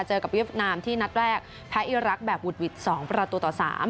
เจอกับเวียดนามที่นัดแรกแพ้อีรักษ์แบบวุดหวิด๒ประตูต่อ๓